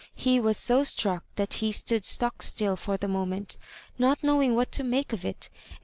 He was so struck that he stood stock still for the moment, not knowing what to make of it; and